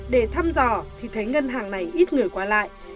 để thăm dò thì thấy ngân hàng này ít người qua lại